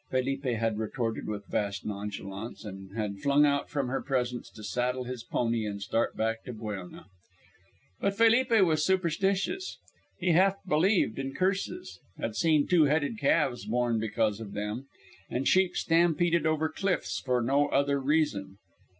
Felipe had retorted with vast nonchalance, and had flung out from her presence to saddle his pony and start back to Buelna. But Felipe was superstitious. He half believed in curses, had seen two headed calves born because of them, and sheep stampeded over cliffs for no other reason.